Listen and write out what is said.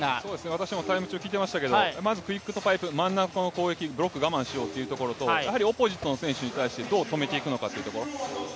私もタイム中、聞いていましたけどクイックとパイプ真ん中の攻撃、ブロック我慢しようというところとやはりオポジットの選手に対してどう止めていこうかということですね。